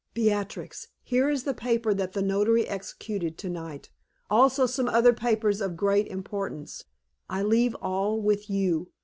Beatrix, here is the paper that the notary executed to night, also some other papers of great importance. I leave all with you.